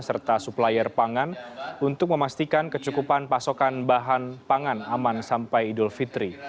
serta supplier pangan untuk memastikan kecukupan pasokan bahan pangan aman sampai idul fitri